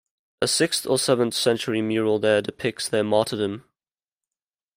A sixth or seventh-century mural there depicts their martyrdom.